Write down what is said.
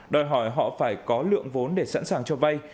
đòi hỏi họ phải có lượng vốn để sẵn sàng cho vay